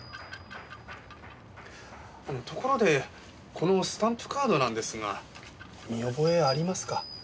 ところでこのスタンプカードなんですが見覚えありますか？